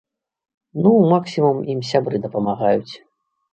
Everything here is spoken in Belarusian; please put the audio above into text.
Ну, максімум, ім сябры дапамагаюць.